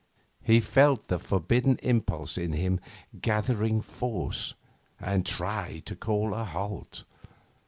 He felt the forbidden impulse in him gathering force, and tried to call a halt.